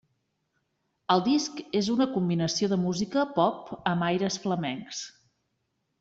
El disc és una combinació de música pop amb aires flamencs.